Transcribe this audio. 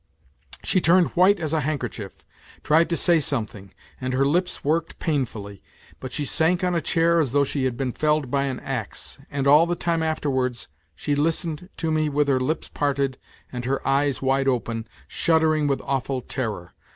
She turned white as a handkerchief, tried to say something, and her lips worked painfully ; but she sank on a chair as though she had been felled by an axe. And all the time afterwards she listened to me with her lips parted and her eyes wide open, shuddering with awful terror.